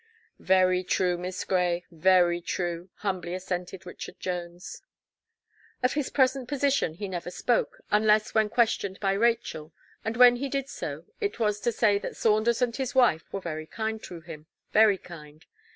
"Very true. Miss Gray, very true," humbly assented Richard Jones. Of his present position he never spoke, unless when questioned by Rachel, and when he did so, it was to say that "Saunders and his wife were very kind to him, very kind.